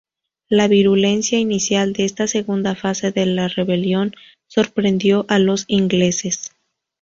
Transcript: La virulencia inicial de esta segunda fase de la rebelión sorprendió a los ingleses.